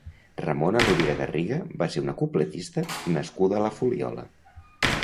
Ramona Rovira Garriga va ser una cupletista nascuda a la Fuliola.